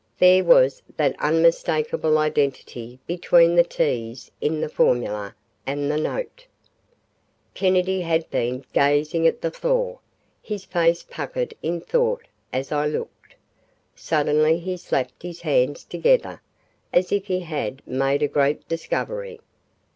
There was that unmistakable identity between the T's in the formula and the note. Kennedy had been gazing at the floor, his face puckered in thought as I looked. Suddenly he slapped his hands together, as if he had made a great discovery.